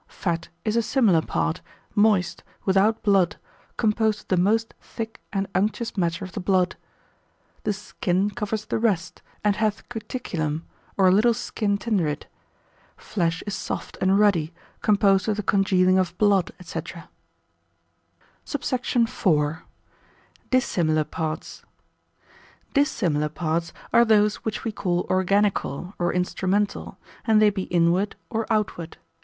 Fat is a similar part, moist, without blood, composed of the most thick and unctuous matter of the blood. The skin covers the rest, and hath cuticulum, or a little skin tinder it. Flesh is soft and ruddy, composed of the congealing of blood, &c. SUBSECT. IV.—Dissimilar Parts. Dissimilar parts are those which we call organical, or instrumental, and they be inward or outward.